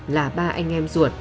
là ba anh em ruột